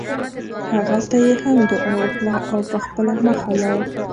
هغه ته یې هم دعا وکړه او په خپله مخه لاړ.